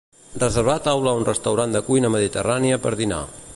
Reservar taula a un restaurant de cuina mediterrània per dinar.